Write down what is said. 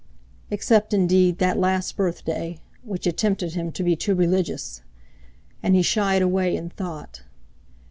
Except, indeed, that last birthday—which had tempted him to be too religious! And he shied away in thought.